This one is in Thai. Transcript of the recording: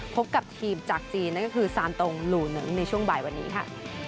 พบกับทีมจากจีนนั่นก็คือซานตรงหลู่๑ในช่วงบ่ายวันนี้ค่ะ